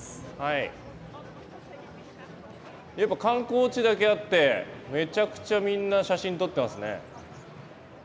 やっぱ観光地だけあってめちゃくちゃみんな写真撮ってますね。